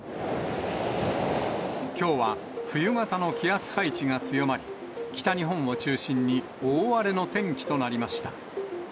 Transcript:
きょうは冬型の気圧配置が強まり、北日本を中心に大荒れの天気となりました。